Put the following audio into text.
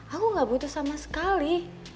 aku gak butuh sama sekali